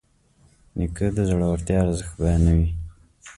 نیکه د زړورتیا ارزښت بیانوي.